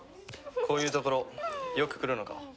こういう所よく来るのか？